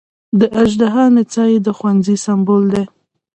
د اژدها نڅا یې د خوښۍ سمبول دی.